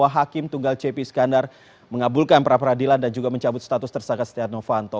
hakim tunggal cepi skandar mengabulkan pra peradilan dan juga mencabut status tersangka setia novanto